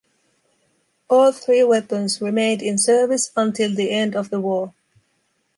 All three weapons remained in service until the end of the war.